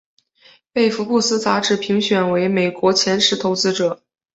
被福布斯杂志评选为美国前十投资者。